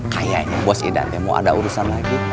kayaknya bos idante mau ada urusan lagi